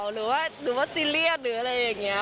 หรือว่าซีเรียสหรืออะไรอย่างนี้